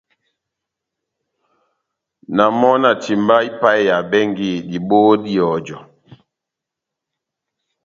Na mɔ na timbaha ipaheya bɛngi dibohó dá ihɔjɔ.